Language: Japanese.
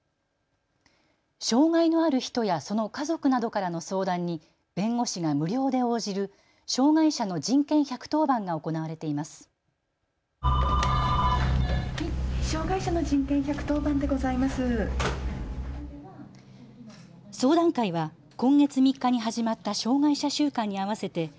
障害のある人やその家族などからの相談に弁護士が無料で応じる障害者の人権１１０番が行われています。